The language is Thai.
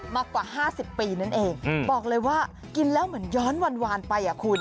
มากว่า๕๐ปีนั่นเองบอกเลยว่ากินแล้วเหมือนย้อนวานไปอ่ะคุณ